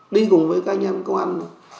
đi cùng với các anh em công an